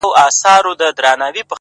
چي څوك تا نه غواړي!!